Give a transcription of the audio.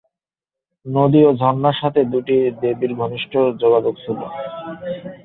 নদী ও ঝর্ণার সাথে দুটি দেবীর ঘনিষ্ঠ যোগাযোগ ছিল।